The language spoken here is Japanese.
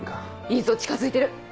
いいぞ近づいてる。